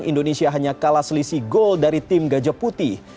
indonesia hanya kalah selisih gol dari tim gajah putih